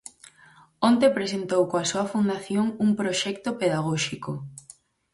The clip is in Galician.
Onte presentou coa súa fundación un proxecto pedagóxico.